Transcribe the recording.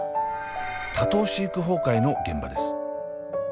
多頭飼育崩壊の現場です。